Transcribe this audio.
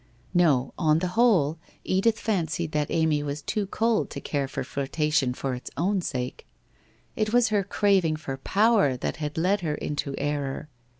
No, on the whole, Edith fancied that Amy was too cold to care for flirtation for its own sake. It was her craving for power that had led her into error.